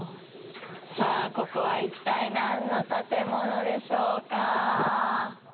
さあ、ここは、一体、何の建物でしょうか。